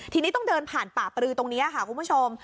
ทีนี้ต้องเดินผ่านป่าปรือตรงนี้ค่ะคุณผู้ชม